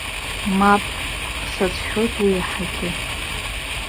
Мап, сацәшәоит уи иаҳагьы.